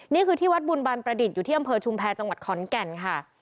นี่คือที่วัดบุญบันประดิษฐ์อยู่ที่อำเภอชุมแพรจังหวัดขอนแก่นค่ะ